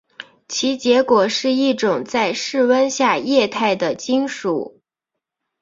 其结果是一种在室温下液态的金属。